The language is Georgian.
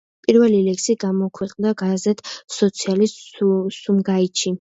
პირველი ლექსი გამოქვეყნდა გაზეთ „სოციალისტ სუმგაითში“.